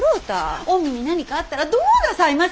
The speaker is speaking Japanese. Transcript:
御身に何かあったらどうなさいます！